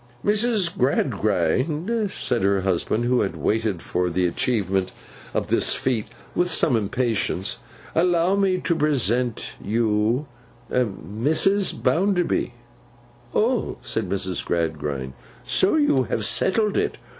'Mrs. Gradgrind,' said her husband, who had waited for the achievement of this feat with some impatience, 'allow me to present to you Mrs. Bounderby.' 'Oh!' said Mrs. Gradgrind, 'so you have settled it!